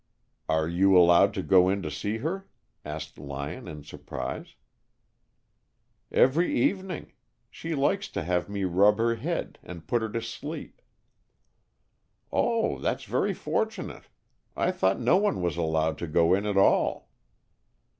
"Are you allowed to go in to see her?" asked Lyon in surprise. "Every evening. She likes to have me rub her head and put her to sleep." "Oh, that's very fortunate. I thought no one was allowed to go in at all."